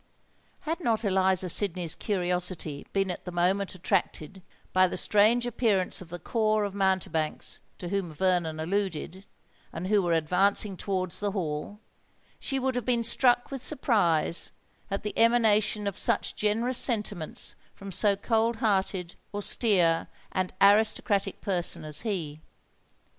Had not Eliza Sydney's curiosity been at the moment attracted by the strange appearance of the corps of mountebanks to whom Vernon alluded, and who were advancing towards the Hall, she would have been struck with surprise at the emanation of such generous sentiments from so cold hearted, austere, and aristocratic a person as he.